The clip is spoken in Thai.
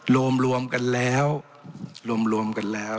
รวมกันแล้วรวมกันแล้ว